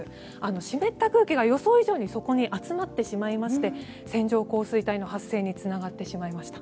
湿った空気が予想以上にそこに集まってしまいまして線状降水帯の発生につながってしまいました。